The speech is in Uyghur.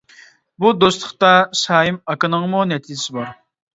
-بۇ دوستلۇقتا سايىم ئاكىنىڭمۇ نەتىجىسى بار.